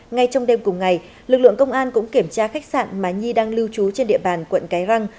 ngay trong đêm cùng ngày lực lượng công an cũng kiểm tra khách sạn mà nhi đang lưu trú trên địa bàn quận cái răng